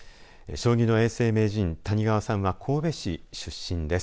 将棋の永世名人谷川さんは神戸市出身です。